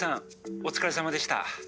お疲れさまでした」。